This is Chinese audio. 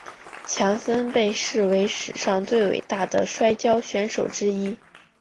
强森被视为史上最伟大的摔角选手之一。